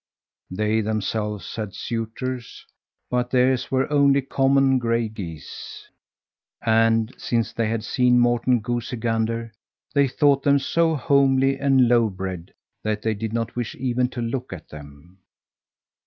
They themselves had suitors, but theirs were only common gray geese, and, since they had seen Morten Goosey Gander, they thought them so homely and low bred that they did not wish even to look at them.